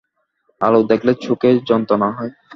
আলো দেখলে চোখে যন্ত্রণা হয়।